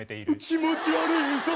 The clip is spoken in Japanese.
気持ち悪いウソ！